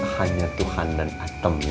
hanya tuhan dan atemnya